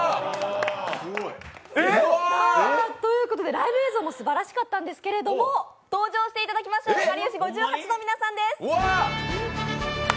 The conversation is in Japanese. ライブ映像もすばらしかったんですけれども、登場していただきましょう、かりゆし５８の皆さんです。